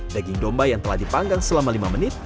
daging domba yang telah dipanggang selama lima menit